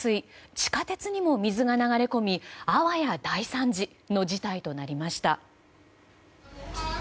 地下鉄にも水が流れ込み、あわや大惨事の事態となりました。